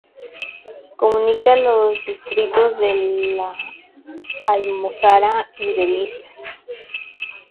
Comunica los distritos de La Almozara y Delicias.